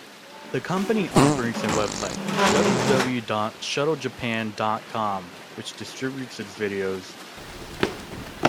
The company operates a website, www dot shuttle-japan dot com, which distributes its videos.